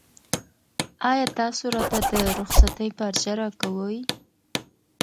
ایا تاسو راته د رخصتۍ پارچه راکوئ؟